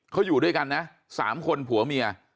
เขาอยู่ด้วยกันนะ๓คนผัวเมีย